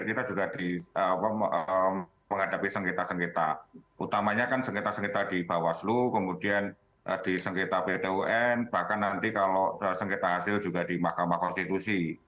kita juga menghadapi sengketa sengketa utamanya kan sengketa sengketa di bawaslu kemudian di sengketa pt un bahkan nanti kalau sengketa hasil juga di mahkamah konstitusi